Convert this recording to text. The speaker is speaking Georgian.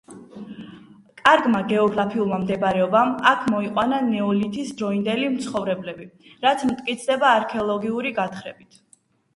კარგმა გეოგრაფიულმა მდებარეობამ აქ მოიყვანა ნეოლითის დროინდელი მცხოვრებლები, რაც მტკიცდება არქეოლოგიური გათხრებით.